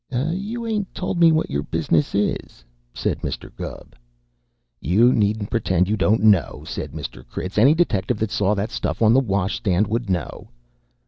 "You ain't told me what your business is," said Mr. Gubb. "You needn't pretend you don't know," said Mr. Critz. "Any detective that saw that stuff on the washstand would know."